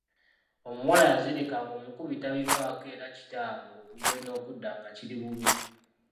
Omuwala yazirika ng’omukubi tabifaako era kitaabwe okugenda okudda nga kiri bubi.